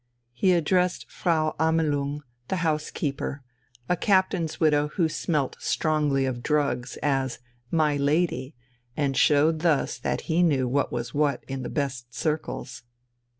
He addressed Frau Amelung, the housekeeper, a captain's widow who smelt strongly of drugs, as "my lady" and showed thus that he knew what was what in the best circles.